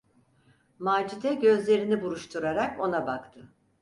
Macide gözlerini buruşturarak ona baktı.